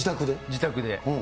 自宅で。